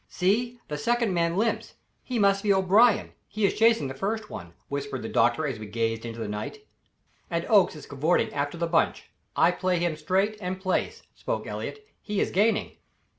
"See, the second man limps he must be O'Brien; he is chasing the first one," whispered the doctor as we gazed into the night. "And Oakes is cavorting after the bunch I play him straight and place," spoke Elliott; "he is gaining."